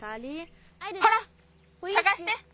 ほらさがして！